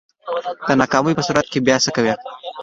د ناکامۍ په صورت کی بیا څه کوئ؟